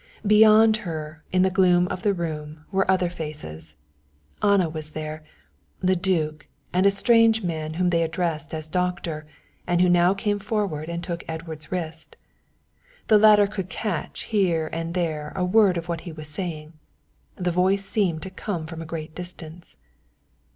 Beyond her, in the gloom of the room, were other faces. Anna was there, and the duke, and a strange man whom they addressed as doctor, and who now came forward and took Edward's wrist. The latter could catch here and there a word of what he was saying; the voice seemed to come from a great distance.